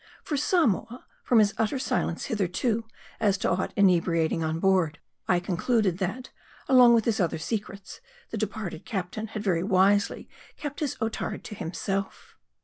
For Samoa, from his utter silence hitherto as to aught inebriating on board, I concluded, that, along with his other secrets, the departed captain had very wisely kept his Otard to himself.